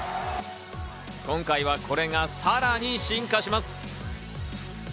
今回はこれがさらに進化します。